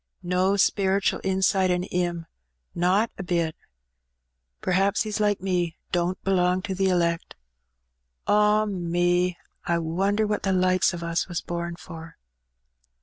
No speretual insight in ^im — not a bit. P'r'haps he's like me, don't belong to the elect. Ah, me ! I wonder what the likes o' us was born for?"